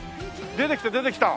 出てきた出てきた！